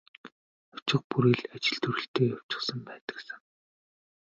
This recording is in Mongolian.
Очих бүрий л ажил төрөлтэй явчихсан байдаг сан.